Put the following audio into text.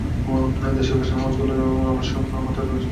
দেশীয় ফ্যাশন হাউসগুলো আবহাওয়ার কথা মাথায় রেখে পোশাক বানায়।